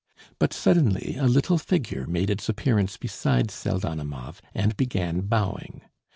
But suddenly a little figure made its appearance beside Pseldonimov, and began bowing.